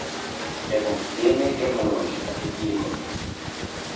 এবং যে মেয়েকে ভালবাসি তাকে বিয়ে করতে।